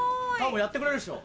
やってくれるっしょ。